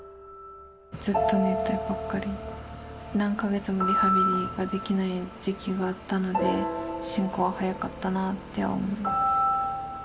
ずっと寝てばっかり、何か月もリハビリができない時期があったので、進行が早かったなって思います。